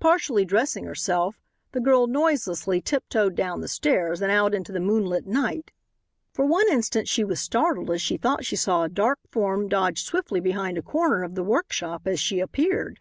Partially dressing herself the girl noiselessly tiptoed down the stairs and out into the moonlit night. For one instant she was startled as she thought she saw a dark form dodge swiftly behind a corner of the workshop as she appeared.